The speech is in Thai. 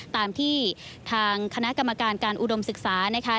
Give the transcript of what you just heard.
ตามที่ทางคณะกรรมการการอุดมศึกษานะคะ